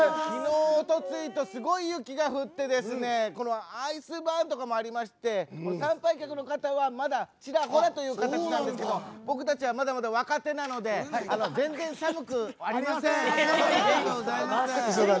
きのう、おとついとすごい雪が降ってアイスバーンとかもありまして参拝客の方はまだちらほらという形なんですが僕たちは、まだまだ若手なので全然寒くありません！